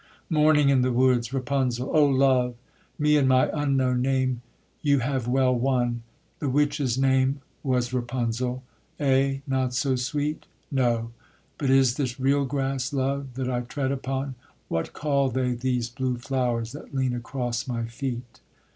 Morning in the woods. RAPUNZEL. O love! me and my unknown name you have well won; The witch's name was Rapunzel: eh! not so sweet? No! but is this real grass, love, that I tread upon? What call they these blue flowers that lean across my feet?